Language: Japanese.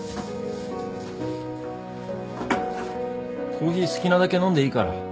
コーヒー好きなだけ飲んでいいから。